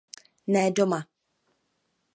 Ne, doma.